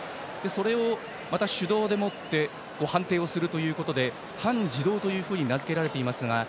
それをまた手動で判定をするということで半自動というふうに名付けられていますが。